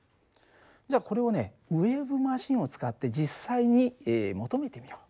じゃあこれをねウエーブマシンを使って実際に求めてみよう。